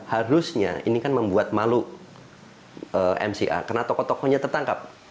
harusnya ini kan membuat malu mca karena tokoh tokohnya tertangkap